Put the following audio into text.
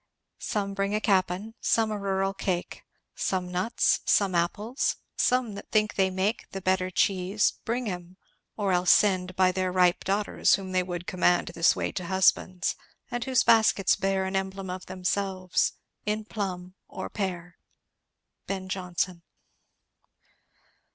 Some bring a capon, some a rurall cake, Some nuts, some apples; some that thinke they make The better cheeses, bring 'hem; or else send By their ripe daughters, whom they would commend This way to husbands; and whose baskets beare An embleme of themselves, in plum or peare. Ben Jonson.